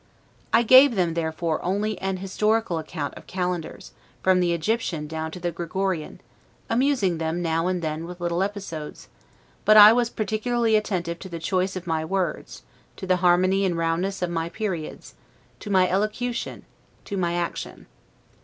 I gave them, therefore, only an historical account of calendars, from the Egyptian down to the Gregorian, amusing them now and then with little episodes; but I was particularly attentive to the choice of my words, to the harmony and roundness of my periods, to my elocution, to my action.